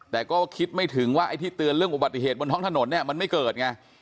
แต่ก็คิดไม่ถึงว่าไอ้ที่เตือนเรื่องอุบัติเหตุบนท้องถนนเนี่ยมันไม่เกิดไง